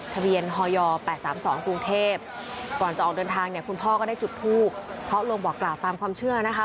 ทะเบียนฮย๘๓๒กรุงเทพก่อนจะออกเดินทางเนี่ยคุณพ่อก็ได้จุดทูบเคาะลงบอกกล่าวตามความเชื่อนะคะ